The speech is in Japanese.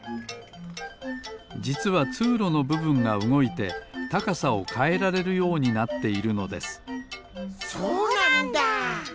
じつはつうろのぶぶんがうごいてたかさをかえられるようになっているのですそうなんだ！